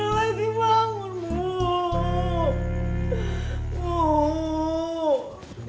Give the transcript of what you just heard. yang jam natural